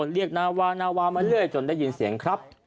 เรียกหนาวามาเรื่อยถึงได้ยินเสียงครับ